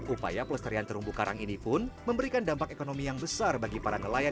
upaya pelestarian terumbu karang ini pun memberikan dampak ekonomi yang besar bagi para nelayan